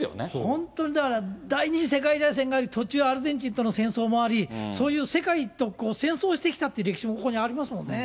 本当に、だから第２次世界大戦があり、途中、アルゼンチンとの戦争もあり、そういう世界と戦争してきたって歴史もここにありますもんね。